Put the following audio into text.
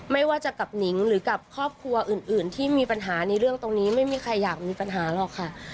ไม่ว่าจะกับหนิงหรือกับครอบครัวอื่นที่มีปัญหาในเรื่องตรงนี้ไม่มีใครอยากมีปัญหาหรอกค่ะ